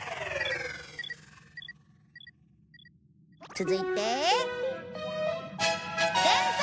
続いて。